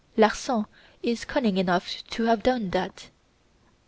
Larsan is cunning enough to have done that."